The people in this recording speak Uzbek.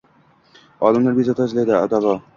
Olimlar bezovta izlaydi davo.